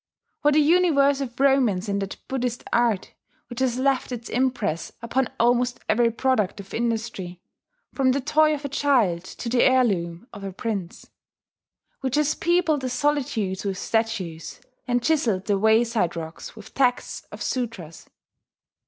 What a universe of romance in that Buddhist art which has left its impress upon almost every product of industry, from the toy of a child to the heirloom of a prince; which has peopled the solitudes with statues, and chiselled the wayside rocks with texts of sutras!